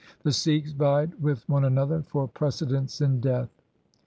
The Sikhs vied with one another for precedence in death.